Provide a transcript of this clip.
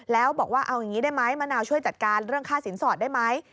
แล้วบอกว่าเอาอย่างนี้ได้ไหมมะนาวช่วยจัดการเรื่องค่าสินสอดได้ไหม